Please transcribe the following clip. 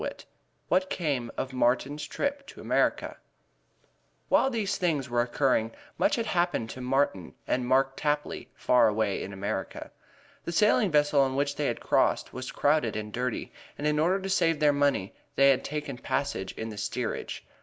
IV WHAT CAME OF MARTIN'S TRIP TO AMERICA While these things were occurring, much had happened to Martin and Mark Tapley far away in America. The sailing vessel on which they crossed was crowded and dirty, and in order to save their money they had taken passage in the steerage.